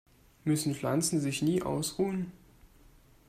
Müssen Pflanzen sich nie ausruhen?